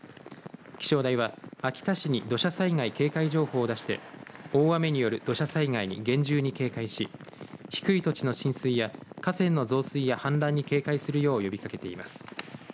気象台は秋田市に土砂災害警戒情報を出して大雨による土砂災害に厳重に警戒し低い土地の浸水や河川の増水や氾濫に警戒するよう呼びかけています。